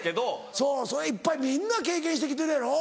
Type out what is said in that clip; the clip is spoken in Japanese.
そういっぱいみんな経験して来てるやろ。